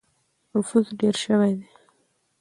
نفوس ډېر شوی دی.